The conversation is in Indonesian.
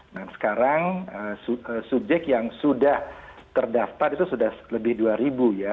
nah sekarang subjek yang sudah terdaftar itu sudah lebih dua ribu ya